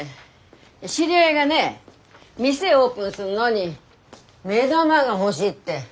知り合いがね店をオープンすんのに目玉が欲しいって。